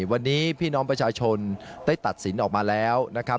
วันนี้พี่น้องประชาชนได้ตัดสินออกมาแล้วนะครับ